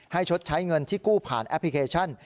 ชดใช้เงินที่กู้ผ่านแอปพลิเคชัน